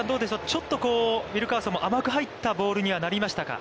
ちょっとウィルカーソンも甘く入ったボールにはなりましたか。